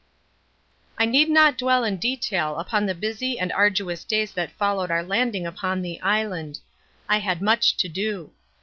I need not dwell in detail upon the busy and arduous days that followed our landing upon the island. I had much to do.